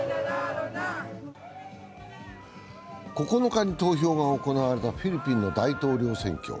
９日に投票が行われたフィリピンの大統領選挙。